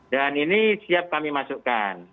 dan ini siap kami masukkan